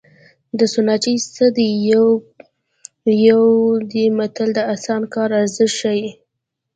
د سورناچي څه دي یو پو دی متل د اسانه کار ارزښت ښيي